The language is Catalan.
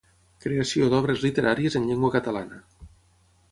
Creació d'obres literàries en llengua catalana.